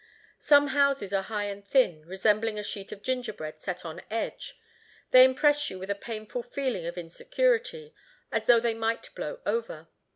Some houses are high and thin, resembling a sheet of gingerbread set on edge; they impress you with a painful feeling of insecurity, as though they might blow over.